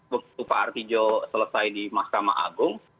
waktu pak artijo selesai di mahkamah agung